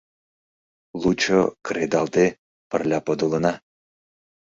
Лучо, кредалде, пырля подылына.